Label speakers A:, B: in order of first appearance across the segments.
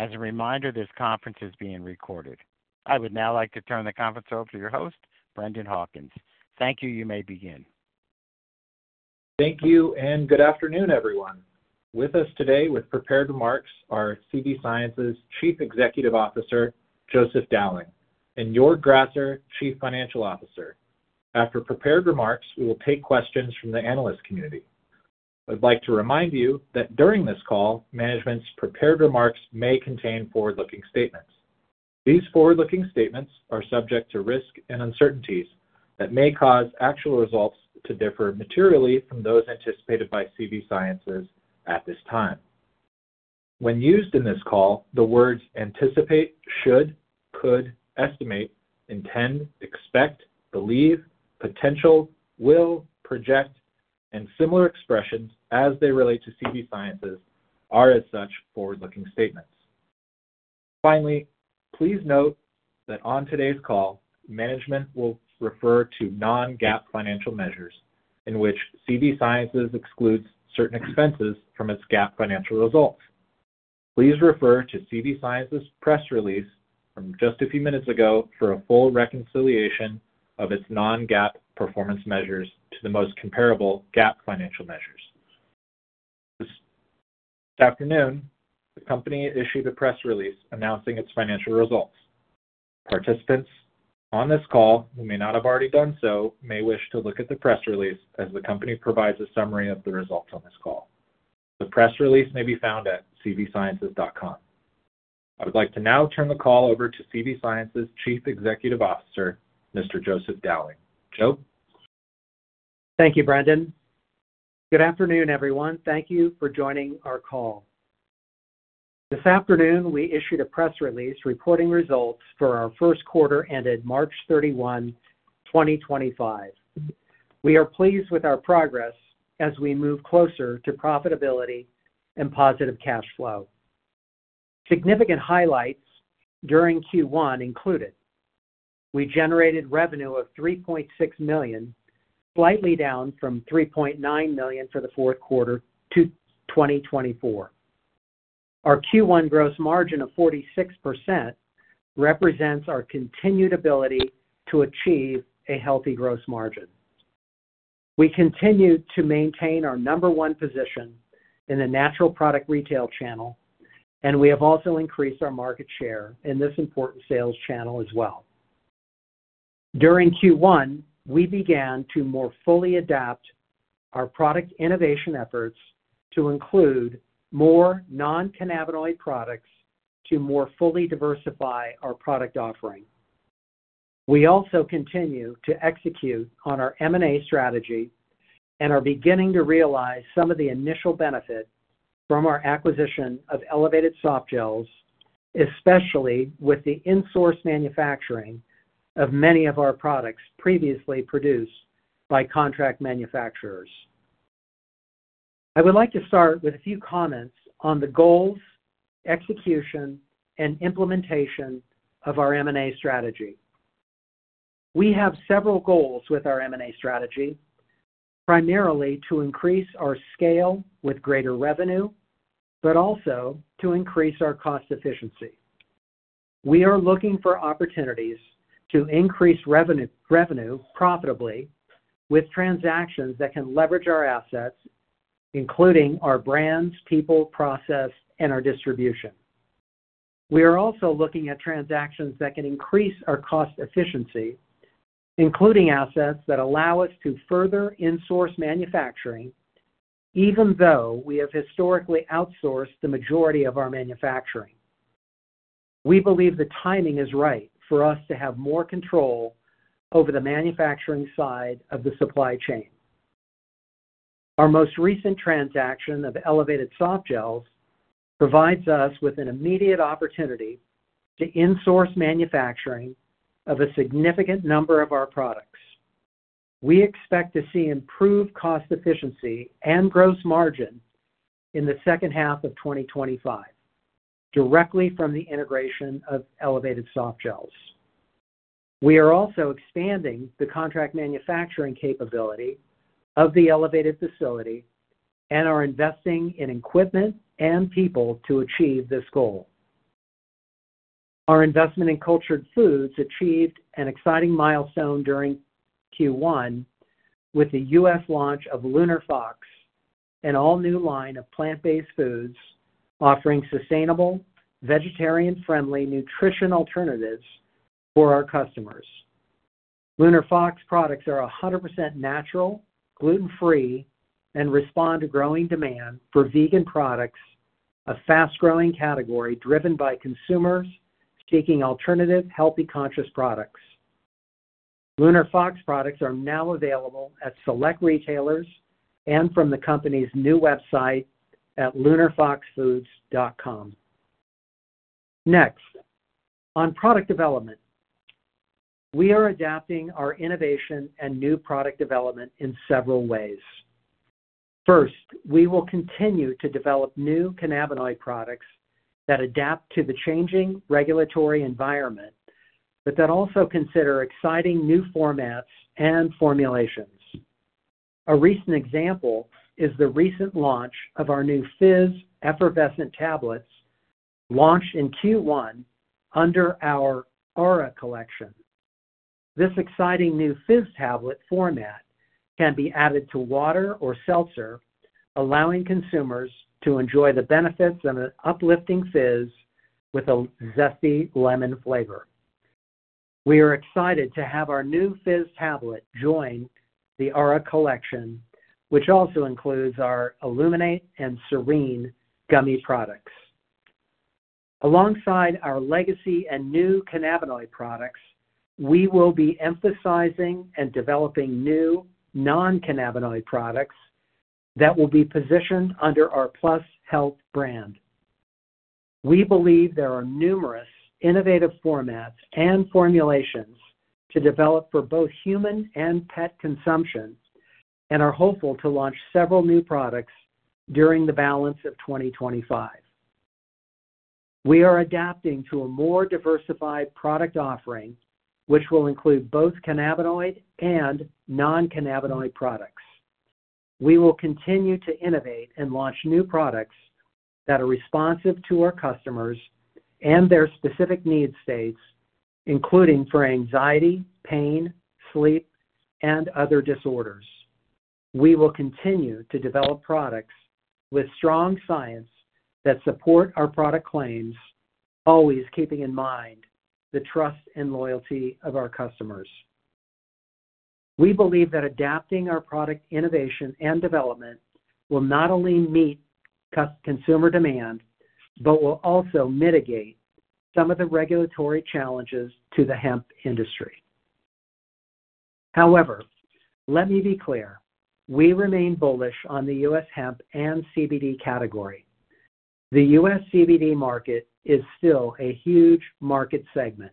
A: As a reminder, this conference is being recorded. I would now like to turn the conference over to your host, Brendan Hawkins. Thank you, you may begin.
B: Thank you, and good afternoon, everyone. With us today with prepared remarks are CV Sciences Chief Executive Officer, Joseph Dowling, and Joerg Grasser, Chief Financial Officer. After prepared remarks, we will take questions from the analyst community. I'd like to remind you that during this call, management's prepared remarks may contain forward-looking statements. These forward-looking statements are subject to risk and uncertainties that may cause actual results to differ materially from those anticipated by CV Sciences at this time. When used in this call, the words anticipate, should, could, estimate, intend, expect, believe, potential, will, project, and similar expressions as they relate to CV Sciences are as such forward-looking statements. Finally, please note that on today's call, management will refer to non-GAAP financial measures in which CV Sciences excludes certain expenses from its GAAP financial results. Please refer to CV Sciences' press release from just a few minutes ago for a full reconciliation of its non-GAAP performance measures to the most comparable GAAP financial measures. This afternoon, the company issued a press release announcing its financial results. Participants on this call who may not have already done so may wish to look at the press release as the company provides a summary of the results on this call. The press release may be found at cvsciences.com. I would like to now turn the call over to CV Sciences Chief Executive Officer, Mr. Joseph Dowling. Joe.
C: Thank you, Brendan. Good afternoon, everyone. Thank you for joining our call. This afternoon, we issued a press release reporting results for our first quarter ended March 31, 2025. We are pleased with our progress as we move closer to profitability and positive cash flow. Significant highlights during Q1 included: we generated revenue of $3.6 million, slightly down from $3.9 million for the fourth quarter of 2024. Our Q1 gross margin of 46% represents our continued ability to achieve a healthy gross margin. We continue to maintain our number one position in the natural product retail channel, and we have also increased our market share in this important sales channel as well. During Q1, we began to more fully adapt our product innovation efforts to include more non-cannabinoid products to more fully diversify our product offering. We also continue to execute on our M&A strategy and are beginning to realize some of the initial benefit from our acquisition of Elevated Soft Gels, especially with the in-source manufacturing of many of our products previously produced by contract manufacturers. I would like to start with a few comments on the goals, execution, and implementation of our M&A strategy. We have several goals with our M&A strategy, primarily to increase our scale with greater revenue, but also to increase our cost efficiency. We are looking for opportunities to increase revenue profitably with transactions that can leverage our assets, including our brands, people, process, and our distribution. We are also looking at transactions that can increase our cost efficiency, including assets that allow us to further in-source manufacturing, even though we have historically outsourced the majority of our manufacturing. We believe the timing is right for us to have more control over the manufacturing side of the supply chain. Our most recent transaction of Elevated Softgels provides us with an immediate opportunity to in-source manufacturing of a significant number of our products. We expect to see improved cost efficiency and gross margin in the second half of 2025, directly from the integration of Elevated Softgels. We are also expanding the contract manufacturing capability of the Elevated facility and are investing in equipment and people to achieve this goal. Our investment in Cultured Foods achieved an exciting milestone during Q1 with the U.S. launch of Lunar Fox, an all-new line of plant-based foods offering sustainable, vegetarian-friendly nutrition alternatives for our customers. Lunar Fox products are 100% natural, gluten-free, and respond to growing demand for vegan products, a fast-growing category driven by consumers seeking alternative, healthy-conscious products. Lunar Fox products are now available at select retailers and from the company's new website at lunarfoxfoods.com. Next, on product development, we are adapting our innovation and new product development in several ways. First, we will continue to develop new cannabinoid products that adapt to the changing regulatory environment, but that also consider exciting new formats and formulations. A recent example is the recent launch of our new Fizz Effervescent Tablets, launched in Q1 under our Aura collection. This exciting new Fizz tablet format can be added to water or seltzer, allowing consumers to enjoy the benefits of an uplifting Fizz with a zesty lemon flavor. We are excited to have our new Fizz tablet join the Aura collection, which also includes our Illuminate and Serene gummy products. Alongside our legacy and new cannabinoid products, we will be emphasizing and developing new non-cannabinoid products that will be positioned under our +PlusHLTH brand. We believe there are numerous innovative formats and formulations to develop for both human and pet consumption and are hopeful to launch several new products during the balance of 2025. We are adapting to a more diversified product offering, which will include both cannabinoid and non-cannabinoid products. We will continue to innovate and launch new products that are responsive to our customers and their specific needs states, including for anxiety, pain, sleep, and other disorders. We will continue to develop products with strong science that support our product claims, always keeping in mind the trust and loyalty of our customers. We believe that adapting our product innovation and development will not only meet consumer demand, but will also mitigate some of the regulatory challenges to the hemp industry. However, let me be clear, we remain bullish on the U.S. hemp and CBD category. The U.S. CBD market is still a huge market segment.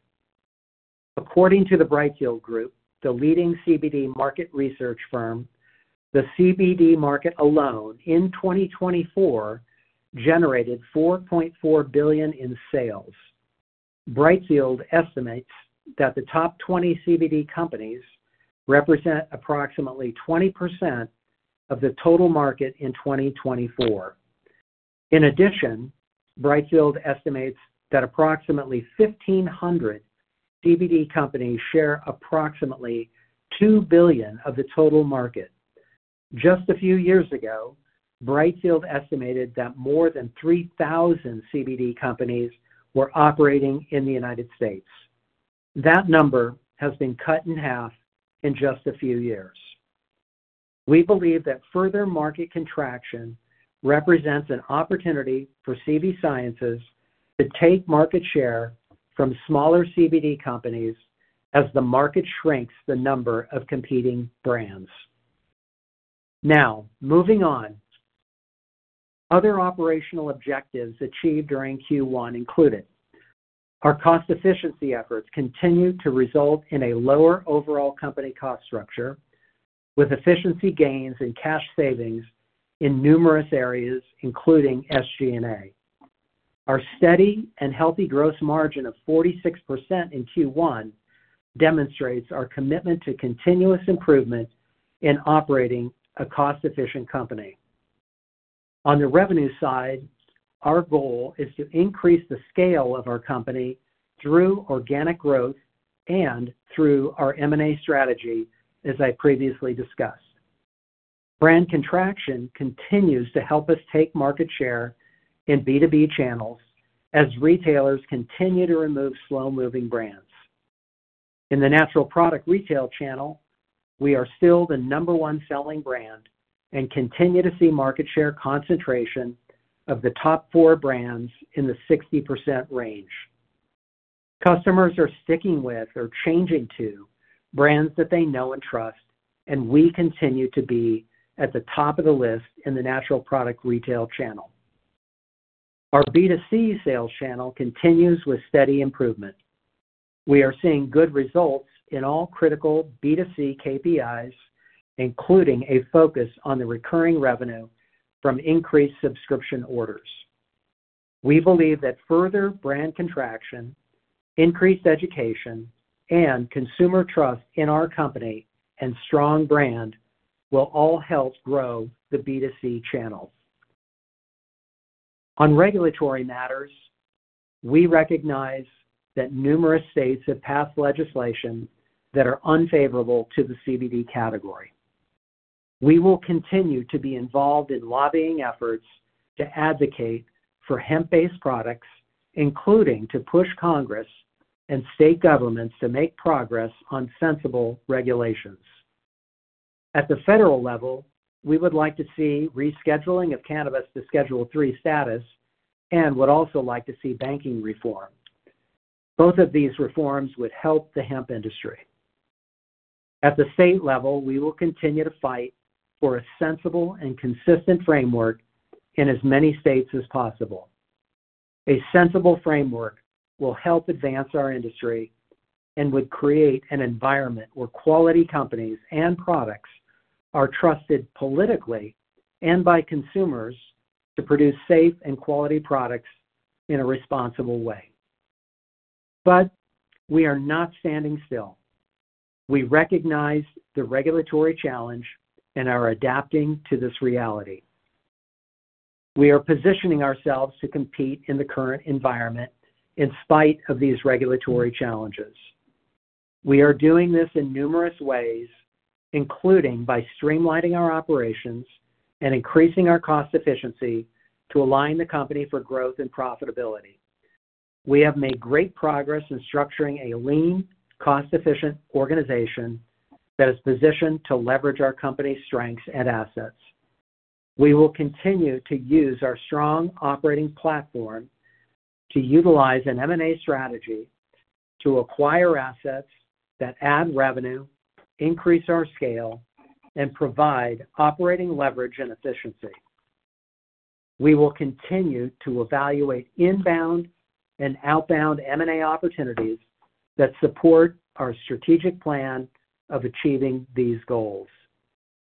C: According to the Brightfield Group, the leading CBD market research firm, the CBD market alone in 2024 generated $4.4 billion in sales. Brightfield estimates that the top 20 CBD companies represent approximately 20% of the total market in 2024. In addition, Brightfield estimates that approximately 1,500 CBD companies share approximately $2 billion of the total market. Just a few years ago, Brightfield estimated that more than 3,000 CBD companies were operating in the United States. That number has been cut in half in just a few years. We believe that further market contraction represents an opportunity for CV Sciences to take market share from smaller CBD companies as the market shrinks the number of competing brands. Now, moving on, other operational objectives achieved during Q1 included our cost efficiency efforts continue to result in a lower overall company cost structure, with efficiency gains and cash savings in numerous areas, including SG&A. Our steady and healthy gross margin of 46% in Q1 demonstrates our commitment to continuous improvement in operating a cost-efficient company. On the revenue side, our goal is to increase the scale of our company through organic growth and through our M&A strategy, as I previously discussed. Brand contraction continues to help us take market share in B2B channels as retailers continue to remove slow-moving brands. In the natural product retail channel, we are still the number one selling brand and continue to see market share concentration of the top four brands in the 60% range. Customers are sticking with or changing to brands that they know and trust, and we continue to be at the top of the list in the natural product retail channel. Our B2C sales channel continues with steady improvement. We are seeing good results in all critical B2C KPIs, including a focus on the recurring revenue from increased subscription orders. We believe that further brand contraction, increased education, and consumer trust in our company and strong brand will all help grow the B2C channel. On regulatory matters, we recognize that numerous states have passed legislation that are unfavorable to the CBD category. We will continue to be involved in lobbying efforts to advocate for hemp-based products, including to push Congress and state governments to make progress on sensible regulations. At the federal level, we would like to see rescheduling of cannabis to Schedule III status and would also like to see banking reform. Both of these reforms would help the hemp industry. At the state level, we will continue to fight for a sensible and consistent framework in as many states as possible. A sensible framework will help advance our industry and would create an environment where quality companies and products are trusted politically and by consumers to produce safe and quality products in a responsible way. We are not standing still. We recognize the regulatory challenge and are adapting to this reality. We are positioning ourselves to compete in the current environment in spite of these regulatory challenges. We are doing this in numerous ways, including by streamlining our operations and increasing our cost efficiency to align the company for growth and profitability. We have made great progress in structuring a lean, cost-efficient organization that is positioned to leverage our company's strengths and assets. We will continue to use our strong operating platform to utilize an M&A strategy to acquire assets that add revenue, increase our scale, and provide operating leverage and efficiency. We will continue to evaluate inbound and outbound M&A opportunities that support our strategic plan of achieving these goals.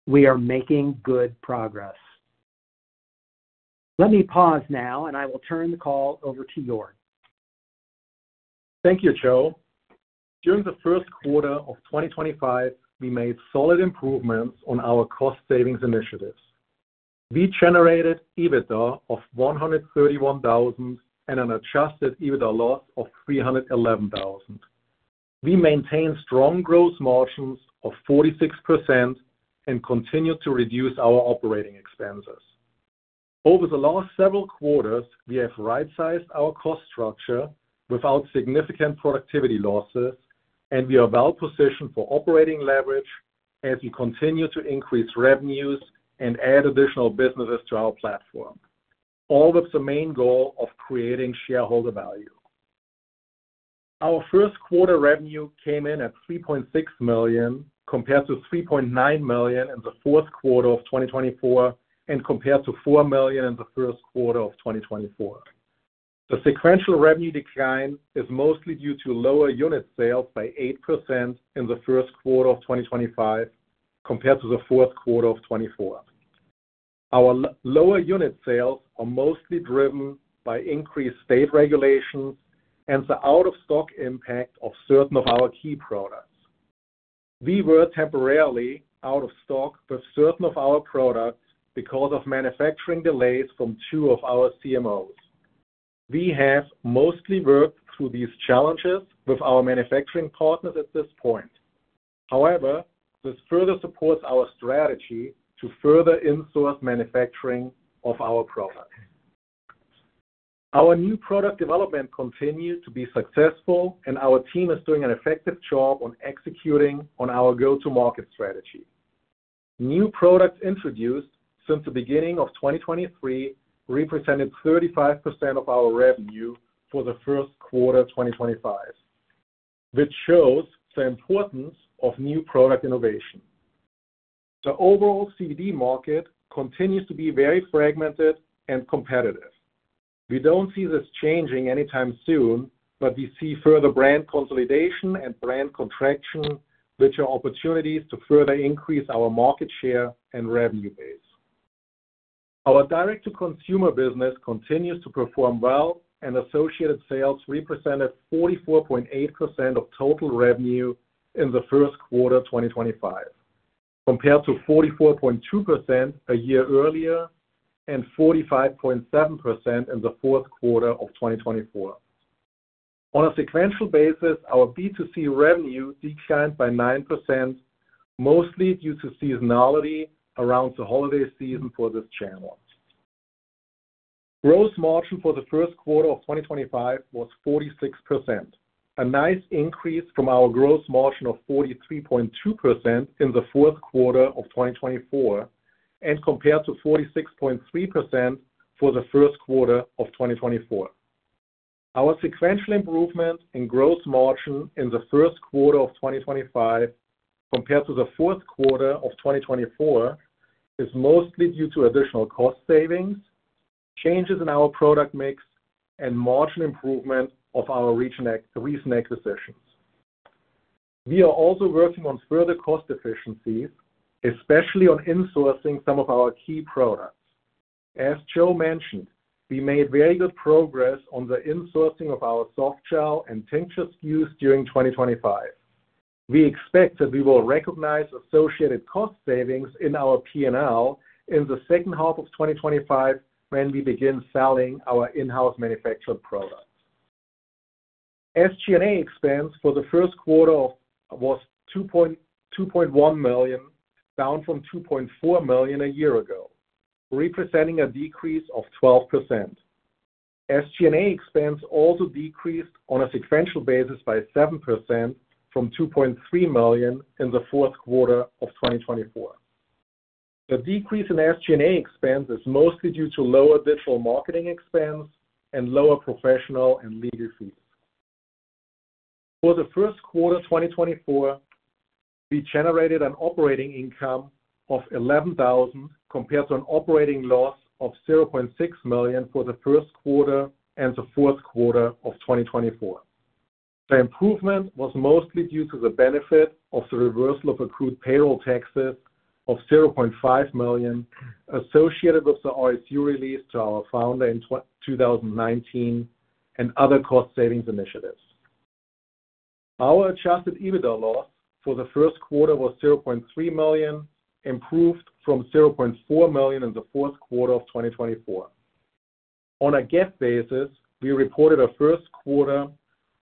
C: We are making good progress. Let me pause now, and I will turn the call over to Joerg.
D: Thank you, Joe. During the first quarter of 2025, we made solid improvements on our cost-savings initiatives. We generated EBITDA of $131,000 and an Adjusted EBITDA loss of $311,000. We maintained strong gross margins of 46% and continued to reduce our operating expenses. Over the last several quarters, we have right-sized our cost structure without significant productivity losses, and we are well-positioned for operating leverage as we continue to increase revenues and add additional businesses to our platform, all with the main goal of creating shareholder value. Our first quarter revenue came in at $3.6 million compared to $3.9 million in the fourth quarter of 2024 and compared to $4 million in the first quarter of 2024. The sequential revenue decline is mostly due to lower unit sales by 8% in the first quarter of 2025 compared to the fourth quarter of 2024. Our lower unit sales are mostly driven by increased state regulations and the out-of-stock impact of certain of our key products. We were temporarily out of stock with certain of our products because of manufacturing delays from two of our CMOs. We have mostly worked through these challenges with our manufacturing partners at this point. However, this further supports our strategy to further in-source manufacturing of our products. Our new product development continued to be successful, and our team is doing an effective job on executing on our go-to-market strategy. New products introduced since the beginning of 2023 represented 35% of our revenue for the first quarter of 2025, which shows the importance of new product innovation. The overall CBD market continues to be very fragmented and competitive. We do not see this changing anytime soon, but we see further brand consolidation and brand contraction, which are opportunities to further increase our market share and revenue base. Our direct-to-consumer business continues to perform well, and associated sales represented 44.8% of total revenue in the first quarter of 2025, compared to 44.2% a year earlier and 45.7% in the fourth quarter of 2024. On a sequential basis, our B2C revenue declined by 9%, mostly due to seasonality around the holiday season for this channel. Gross margin for the first quarter of 2025 was 46%, a nice increase from our gross margin of 43.2% in the fourth quarter of 2024 and compared to 46.3% for the first quarter of 2024. Our sequential improvement in gross margin in the first quarter of 2025 compared to the fourth quarter of 2024 is mostly due to additional cost savings, changes in our product mix, and margin improvement of our recent acquisitions. We are also working on further cost efficiencies, especially on in-sourcing some of our key products. As Joerg mentioned, we made very good progress on the in-sourcing of our soft gel and tincture SKUs during 2025. We expect that we will recognize associated cost savings in our P&L in the second half of 2025 when we begin selling our in-house manufactured products. SG&A expense for the first quarter was $2.1 million, down from $2.4 million a year ago, representing a decrease of 12%. SG&A expense also decreased on a sequential basis by 7% from $2.3 million in the fourth quarter of 2024. The decrease in SG&A expense is mostly due to lower digital marketing expense and lower professional and legal fees. For the first quarter of 2024, we generated an operating income of $11,000 compared to an operating loss of $0.6 million for the first quarter and the fourth quarter of 2024. The improvement was mostly due to the benefit of the reversal of accrued payroll taxes of $0.5 million associated with the RSU release to our founder in 2019 and other cost-savings initiatives. Our Adjusted EBITDA loss for the first quarter was $0.3 million, improved from $0.4 million in the fourth quarter of 2024. On a GAAP basis, we reported a first quarter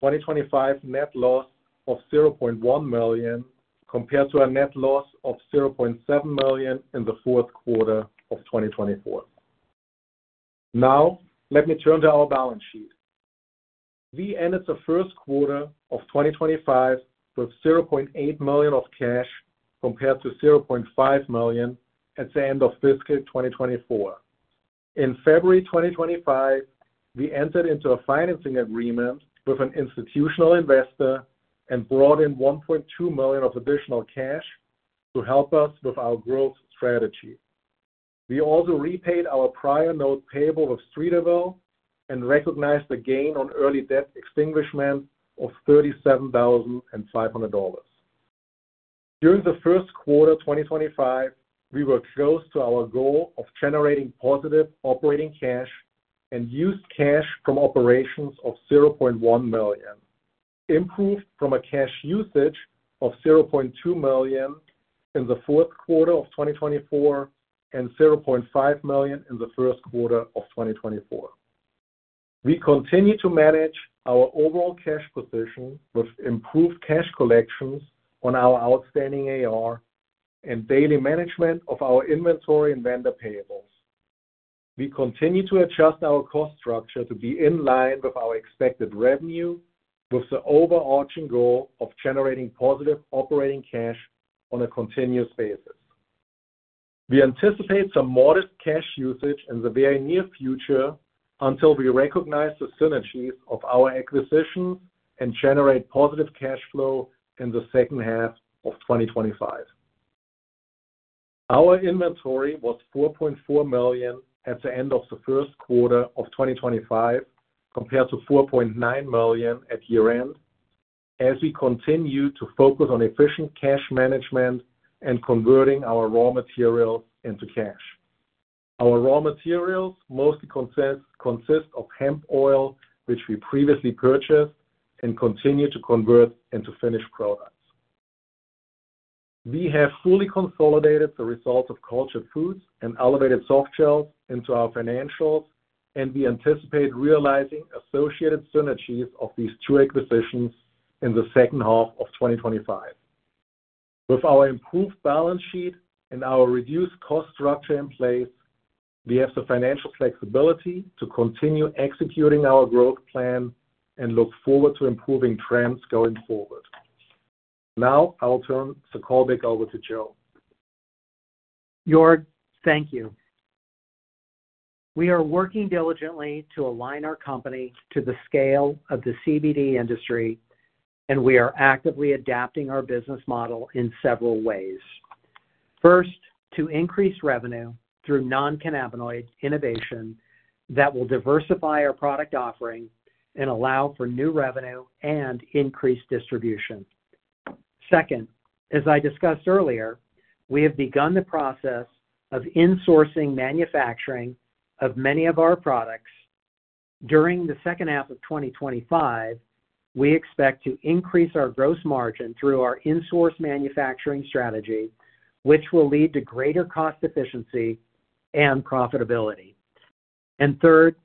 D: 2025 net loss of $0.1 million compared to a net loss of $0.7 million in the fourth quarter of 2024. Now, let me turn to our balance sheet. We ended the first quarter of 2025 with $0.8 million of cash compared to $0.5 million at the end of fiscal 2024. In February 2025, we entered into a financing agreement with an institutional investor and brought in $1.2 million of additional cash to help us with our growth strategy. We also repaid our prior note payable with Stratovil and recognized the gain on early debt extinguishment of $37,500. During the first quarter of 2025, we were close to our goal of generating positive operating cash and used cash from operations of $0.1 million, improved from a cash usage of $0.2 million in the fourth quarter of 2024 and $0.5 million in the first quarter of 2024. We continue to manage our overall cash position with improved cash collections on our outstanding AR and daily management of our inventory and vendor payables. We continue to adjust our cost structure to be in line with our expected revenue, with the overarching goal of generating positive operating cash on a continuous basis. We anticipate some modest cash usage in the very near future until we recognize the synergies of our acquisitions and generate positive cash flow in the second half of 2025. Our inventory was $4.4 million at the end of the first quarter of 2025 compared to $4.9 million at year-end, as we continue to focus on efficient cash management and converting our raw materials into cash. Our raw materials mostly consist of hemp oil, which we previously purchased and continue to convert into finished products. We have fully consolidated the results of Cultured Foods and Elevated Soft Gels into our financials, and we anticipate realizing associated synergies of these two acquisitions in the second half of 2025. With our improved balance sheet and our reduced cost structure in place, we have the financial flexibility to continue executing our growth plan and look forward to improving trends going forward. Now, I'll turn the call back over to Joe.
C: Joerg, thank you. We are working diligently to align our company to the scale of the CBD industry, and we are actively adapting our business model in several ways. First, to increase revenue through non-cannabinoid innovation that will diversify our product offering and allow for new revenue and increased distribution. Second, as I discussed earlier, we have begun the process of in-sourcing manufacturing of many of our products. During the second half of 2025, we expect to increase our gross margin through our in-source manufacturing strategy, which will lead to greater cost efficiency and profitability. Third,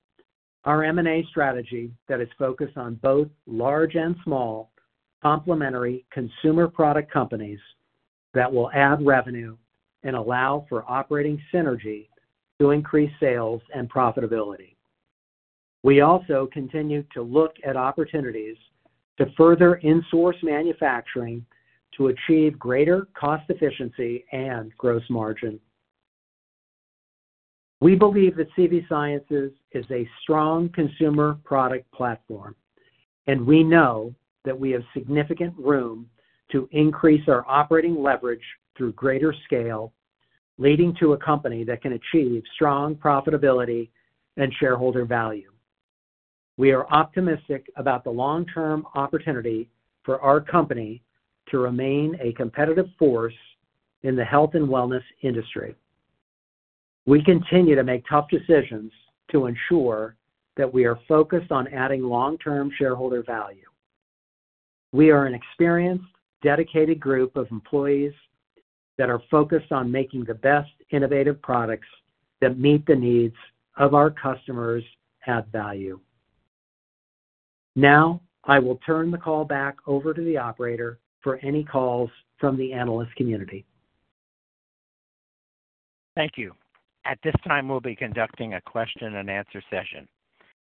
C: our M&A strategy that is focused on both large and small complementary consumer product companies that will add revenue and allow for operating synergy to increase sales and profitability. We also continue to look at opportunities to further in-source manufacturing to achieve greater cost efficiency and gross margin. We believe that CV Sciences is a strong consumer product platform, and we know that we have significant room to increase our operating leverage through greater scale, leading to a company that can achieve strong profitability and shareholder value. We are optimistic about the long-term opportunity for our company to remain a competitive force in the health and wellness industry. We continue to make tough decisions to ensure that we are focused on adding long-term shareholder value. We are an experienced, dedicated group of employees that are focused on making the best innovative products that meet the needs of our customers add value. Now, I will turn the call back over to the operator for any calls from the analyst community.
A: Thank you. At this time, we'll be conducting a question-and-answer session.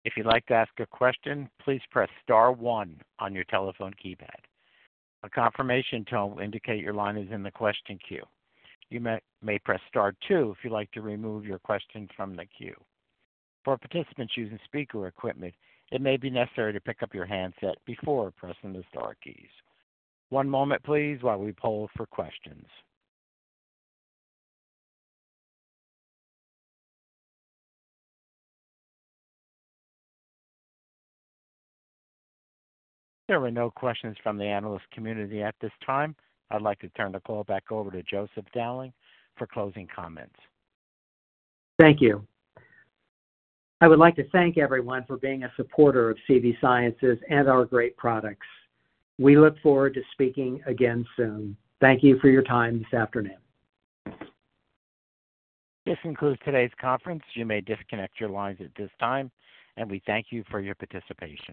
A: If you'd like to ask a question, please press star one on your telephone keypad. A confirmation tone will indicate your line is in the question queue. You may press star two if you'd like to remove your question from the queue. For participants using speaker equipment, it may be necessary to pick up your handset before pressing the star keys. One moment, please, while we poll for questions. There were no questions from the analyst community at this time. I'd like to turn the call back over to Joseph Dowling for closing comments.
C: Thank you. I would like to thank everyone for being a supporter of CV Sciences and our great products. We look forward to speaking again soon. Thank you for your time this afternoon.
A: This concludes today's conference. You may disconnect your lines at this time, and we thank you for your participation.